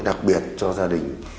đặc biệt cho gia đình